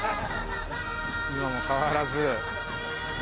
今も変わらず。